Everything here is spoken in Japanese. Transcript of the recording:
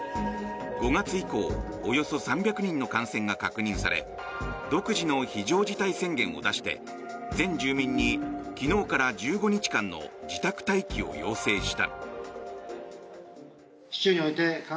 ５月以降およそ３００人の感染が確認され独自の非常事態宣言を出して全住民に昨日から１５日間の自宅待機を要請した。